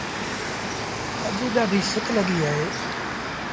تآجي ڏآڍيٚ سڪ لڳيٚ اهي۔